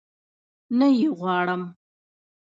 نه يي غواړم